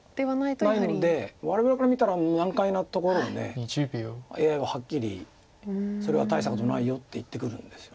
我々から見たら難解なところがＡＩははっきり「それは大したことないよ」って言ってくるんです。